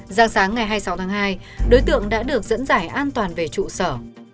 giang sáng ngày hai mươi sáu tháng hai đối tượng đã được dẫn giải an toàn về trụ sở